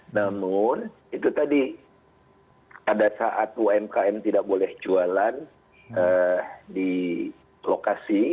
namun itu tadi pada saat umkm tidak boleh jualan di lokasi